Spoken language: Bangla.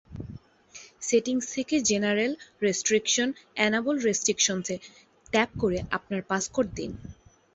সেটিংস থেকে জেনারেল, রেস্ট্রিকশন, অ্যানাবল রেস্ট্রিকশনসে ট্যাপ করে আপনার পাসকোড দিন।